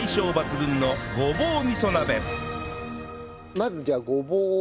まずじゃあごぼうを？